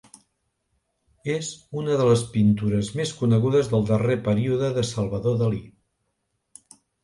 És una de les pintures més conegudes del darrer període de Salvador Dalí.